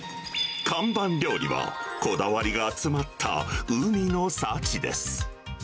看板料理はこだわりが詰まった海の幸です。